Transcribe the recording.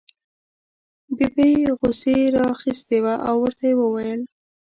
ببۍ غوسې را اخیستې وه او ورته یې وویل.